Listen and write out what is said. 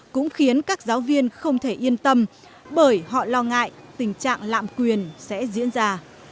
cũng khiến các giáo viên không thể yên tâm bởi họ lo ngại tình trạng lạm quyền sẽ diễn ra